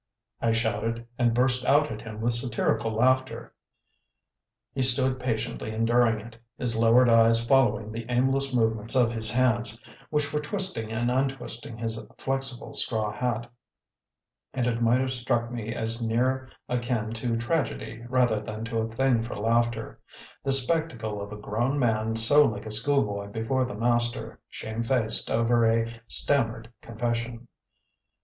I shouted, and burst out at him with satirical laughter. He stood patiently enduring it, his lowered eyes following the aimless movements of his hands, which were twisting and untwisting his flexible straw hat; and it might have struck me as nearer akin to tragedy rather than to a thing for laughter: this spectacle of a grown man so like a schoolboy before the master, shamefaced over a stammered confession.